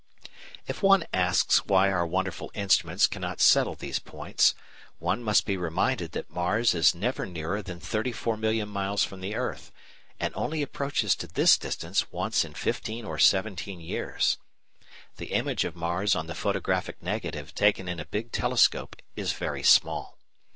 If one asks why our wonderful instruments cannot settle these points, one must be reminded that Mars is never nearer than 34,000,000 miles from the earth, and only approaches to this distance once in fifteen or seventeen years. The image of Mars on the photographic negative taken in a big telescope is very small.